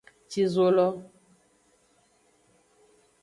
Ci zo lo.